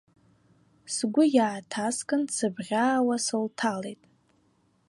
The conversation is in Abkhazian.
Сгәы иааҭаскын, сыбӷьаауа сылҭалеит.